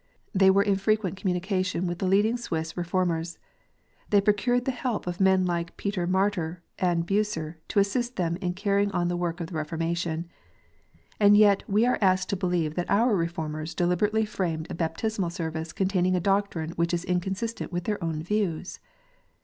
They were in frequent communication with the leading Swiss Reformers. They procured the help of men like Peter Martyr and Bucer to assist them in carrying on the work of Reforma tion. And yet we are asked to believe that our Reformers deliberately framed a Baptismal Service containing a doctrine which is inconsistent with their own views